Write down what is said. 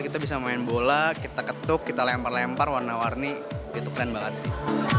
kita bisa main bola kita ketuk kita lempar lempar warna warni itu keren banget sih